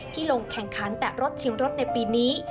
ลงแข่งขันแตะรถชิมรถในปีนี้